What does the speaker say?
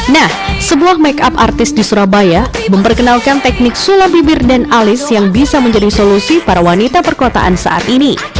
nah sebuah make up artis di surabaya memperkenalkan teknik sulap bibir dan alis yang bisa menjadi solusi para wanita perkotaan saat ini